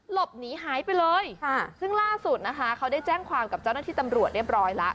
หลบหนีหายไปเลยค่ะซึ่งล่าสุดนะคะเขาได้แจ้งความกับเจ้าหน้าที่ตำรวจเรียบร้อยแล้ว